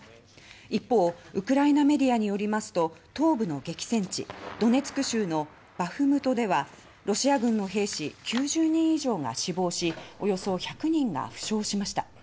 一方ウクライナメディアによりますと東部の激戦地ドネツク州のバフムトではロシア軍の兵士９０人以上が死亡しおよそ１００人が負傷しました。